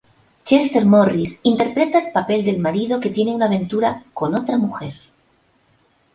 Chester Morris interpreta el papel del marido que tiene una aventura con otra mujer.